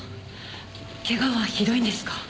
けがはひどいんですか？